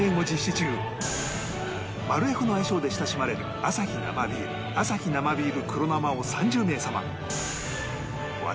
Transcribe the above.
マルエフの愛称で親しまれるアサヒ生ビールアサヒ生ビール黒生を３０名様